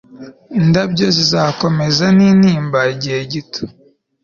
Indabyo zizakomeza nintimba igihe gito